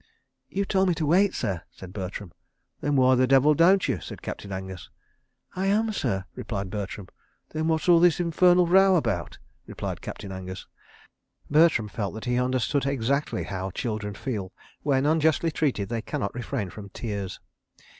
"You told me to wait, sir," said Bertram. "Then why the devil don't you?" said Captain Angus. "I am, sir," replied Bertram. "Then what's all this infernal row about?" replied Captain Angus. Bertram felt that he understood exactly how children feel when, unjustly treated, they cannot refrain from tears.